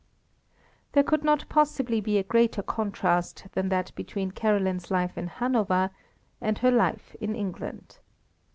There could not possibly be a greater contrast than that between Caroline's life in Hanover and her life in England.